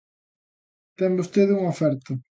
Ten vostede unha oferta.